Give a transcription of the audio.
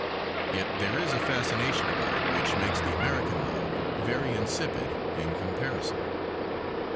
Yet there is a fascination about it which makes the American love very insipid in comparison.